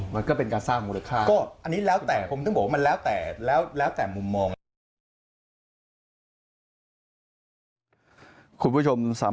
มันก็เป็นการสร้างมูลค่า